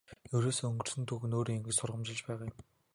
Ерөөсөө өнгөрсөн түүх нь өөрөө ингэж сургамжилж байгаа юм.